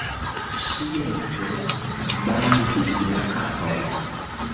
Ŝi jese balancis la kapon.